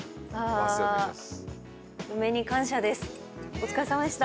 お疲れさまでした！